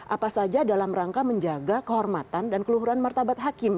apa saja dalam rangka menjaga kehormatan dan keluhuran martabat hakim